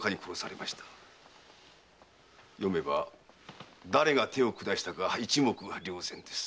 読めば誰が手を下したか一目瞭然です。